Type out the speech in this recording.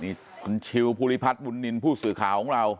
นี่คุณชิวภูริพัฒน์บุญนินทร์ผู้สื่อข่าวของเรา